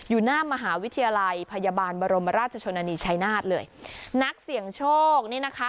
อยู่หน้ามหาวิทยาลัยพยาบาลบรมราชชนนานีชายนาฏเลยนักเสี่ยงโชคนี่นะคะ